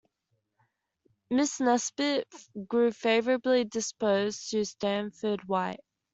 Mrs. Nesbit grew favorably disposed to Stanford White.